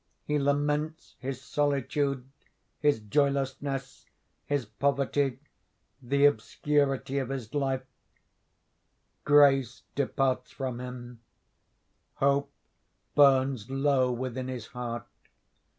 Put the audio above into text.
He laments his solitude, his joylessness, his poverty, the obscurity of his life; grace departs from him; hope burns low within his heart.